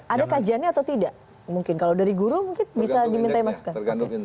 ada kajiannya atau tidak mungkin kalau dari guru bisa diminta yang masukkan